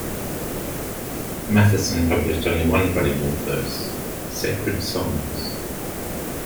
Matheson published only one volume of verse, "Sacred Songs".